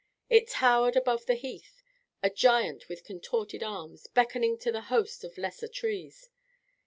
It towered above the heath, a giant with contorted arms, beckoning to the host of lesser trees.